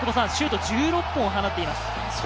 シュート１６本放っています。